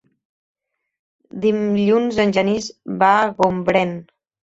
Dilluns en Genís va a Gombrèn.